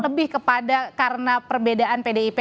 lebih kepada karena perbedaan pdip